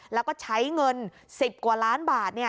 แล้วก็ใช้เงิน๑๐กว่าล้านบาท